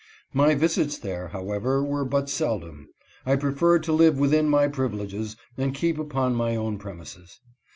My visits there, however, were but seldom. I preferred to live within my privileges and keep upon my own premises.